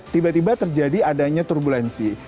tiba tiba terjadi adanya turbulensi